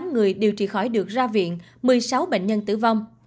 bảy tám mươi tám người điều trị khỏi được ra viện một mươi sáu bệnh nhân tử vong